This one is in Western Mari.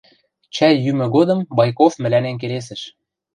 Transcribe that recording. Чӓй йӱмӹ годым Байков мӹлӓнем келесӹш: